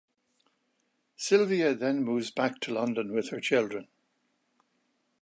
Sylvia then moves back to London with her children.